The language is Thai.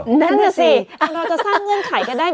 นั่นน่ะสิเราจะสร้างเงื่อนไขกันได้ไหม